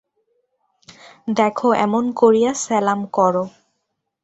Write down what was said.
দেখো, এমনি করিয়া সেলাম করো।